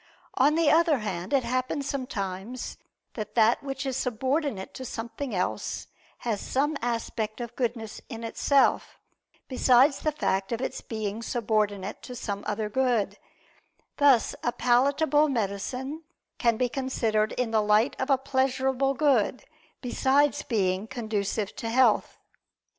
On the other hand it happens sometimes that that which is subordinate to something else, has some aspect of goodness in itself, besides the fact of its being subordinate to some other good: thus a palatable medicine can be considered in the light of a pleasurable good, besides being conducive to health.